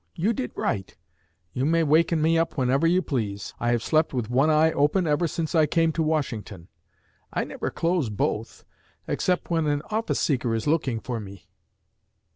You did right; you may waken me up whenever you please. I have slept with one eye open ever since I came to Washington; I never close both, except when an office seeker is looking for me.'